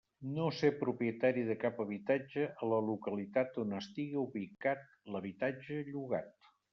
No ser propietaris de cap habitatge a la localitat on estiga ubicat l'habitatge llogat.